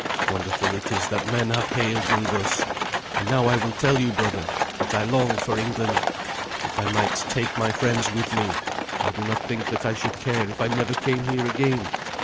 Wonderful it is that men have hailed me thus. And now I will tell you, brother, that I long for England. If I might take my friends with me, I do not think that I should care if I never came here again.